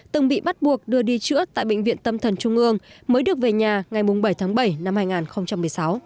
từng bị bắt buộc đưa đi chữa tại bệnh viện tâm thần trung ương mới được về nhà ngày bảy tháng bảy năm hai nghìn một mươi sáu